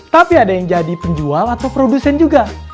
tapi ada yang jadi penjual atau produsen juga